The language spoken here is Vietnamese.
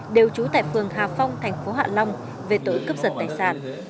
đều trú tại phường hà phong thành phố hạ long về tội cướp giật tài sản